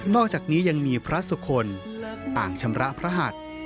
อกจากนี้ยังมีพระสุคลต่างชำระพระหัส